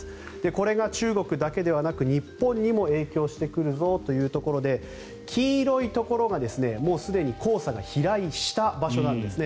これが中国だけではなく日本にも影響してくるぞというところで黄色いところが、もうすでに黄砂が飛来した場所なんですね。